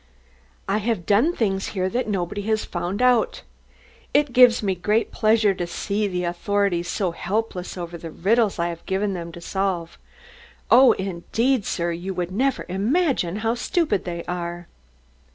"I have done things here that nobody has found out. It gives me great pleasure to see the authorities so helpless over the riddles I have given them to solve. Oh, indeed, sir, you would never imagine how stupid they are here."